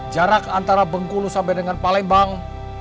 jarak antara bengkulu sampai dengan palembang